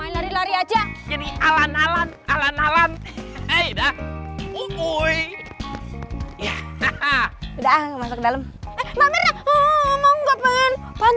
lalu aja jadi alan alan alan alan